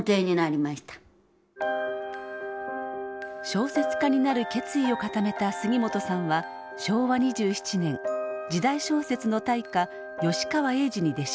小説家になる決意を固めた杉本さんは昭和２７年時代小説の大家吉川英治に弟子入りします。